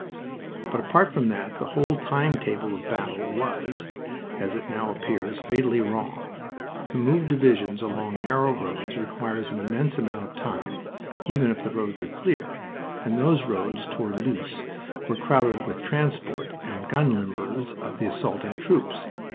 But apart from that the whole time table of the battle was, as it now appears, fatally wrong. To move divisions along narrow roads requires an immense amount of time, even if the roads are clear, and those roads toward Loos were crowded with the transport and gun limbers of the assaulting troops.